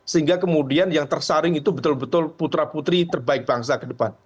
sehingga kemudian yang tersaring itu betul betul putra putri terbaik bangsa ke depan